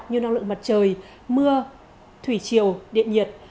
như năng lượng mặt trời mưa thủy chiều điện nhiệt